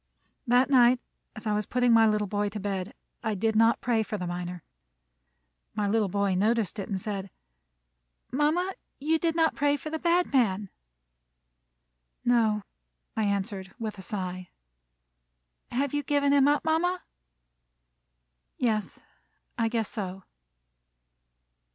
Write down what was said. That night as I was putting my little boy to bed, I did not pray for the miner. My little boy noticed it and said: "Mama, you did not pray for the bad man." "No," I answered, with a sigh. "Have you given him up, mama?" "Yes, I guess so."